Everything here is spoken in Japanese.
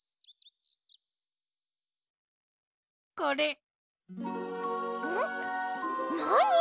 これ。